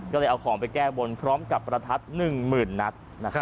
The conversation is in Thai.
ก็เลยเอาของไปแก้บนพร้อมกับประทัด๑๐๐๐นัด